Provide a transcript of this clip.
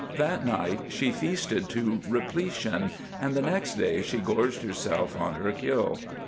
That night she feasted to repletion, and the next day she gorged herself on her kill.